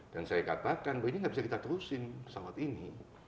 dan saya katakan ini gak bisa kita terusin pesawat ini